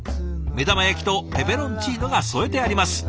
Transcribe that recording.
目玉焼きとペペロンチーノが添えてあります。